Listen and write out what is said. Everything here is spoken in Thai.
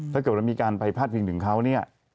ถ้าเกิดว่ามีการไปพาดพิงถึงเขาเนี่ย